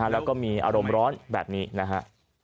แล้วก็มีอารมณ์ร้อนแบบนี้นะฮะ